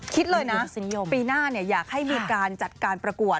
คิดเลยนะปีหน้าอยากให้มีการจัดการประกวด